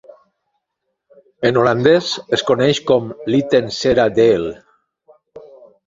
En holandès es coneix com Littenseradeel.